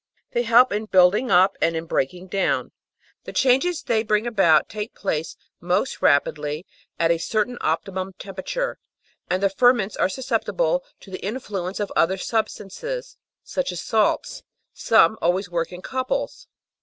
They help in building up and in breaking down. The changes they bring about take place most rapidly at a certain optimum temperature, and the ferments are susceptible to the influence of other substances, such as salts ; some always work in couples.